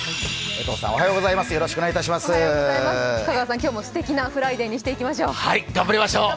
今日もすてきなフライデーにしていきましょう。